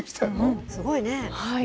すごいね。